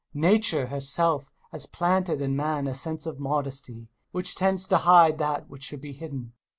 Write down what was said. Nature herself has planted in man a sense of modesty, which tends to hide that which should be hidden.